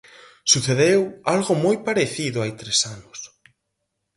Sucedeu algo moi parecido hai tres anos.